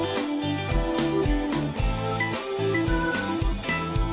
สวัสดีครับ